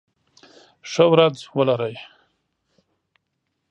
ښه ورځ ولرئ.